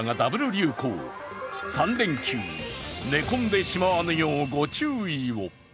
流行３連休、寝込んでしまわぬようご注意を。